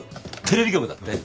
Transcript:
テレビ局だって？